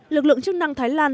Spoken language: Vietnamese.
lực lượng chức năng thái lan